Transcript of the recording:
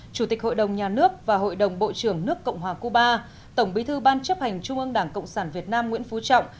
chủ tịch hội đồng nhà nước và hội đồng bộ trưởng nước cộng hòa cuba tổng bí thư ban chấp hành trung ương đảng cộng sản việt nam nguyễn phú trọng